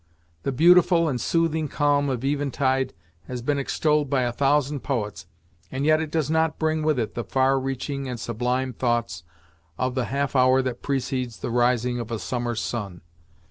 The beautiful and soothing calm of eventide has been extolled by a thousand poets, and yet it does not bring with it the far reaching and sublime thoughts of the half hour that precedes the rising of a summer sun.